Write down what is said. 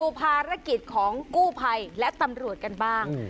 ภารกิจของกู้ภัยและตำรวจกันบ้าง